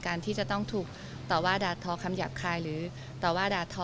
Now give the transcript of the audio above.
ที่จะต้องถูกต่อว่าด่าทอคำหยาบคายหรือต่อว่าด่าทอ